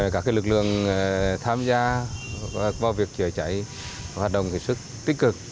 các lực lượng tham gia vào việc chữa cháy và hoạt động sự tích cực